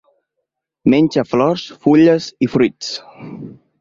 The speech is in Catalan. Menja flors, fulles i fruits.